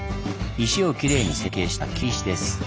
石をきれいに成形した「切石」です。